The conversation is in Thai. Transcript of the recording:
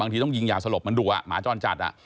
ต้องยิงยาสลบมันดัวหมาจรจัด